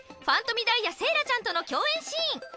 ファントミダイヤ・セイラちゃんとの共演シーン！